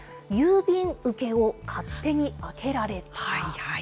郵便受けを勝手に開けられた。